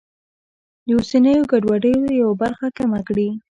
د اوسنیو ګډوډیو یوه برخه کمه کړي.